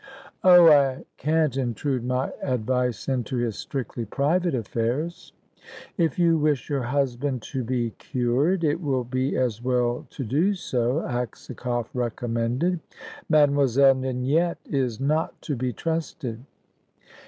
"Oh, I can't intrude my advice into his strictly private affairs." "If you wish your husband to be cured, it will be as well to do so," Aksakoff recommended. "Mademoiselle Ninette is not to be trusted."